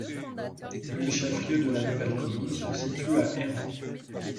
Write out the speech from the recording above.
Le chef-lieu de la nouvelle commune se situe à Airan.